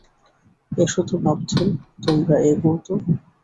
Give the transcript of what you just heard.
S তো বাপধন, তোমরা এগোও তো।